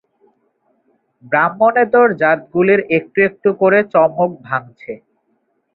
ব্রাহ্মণেতর জাতগুলির একটু একটু করে চমক ভাঙছে।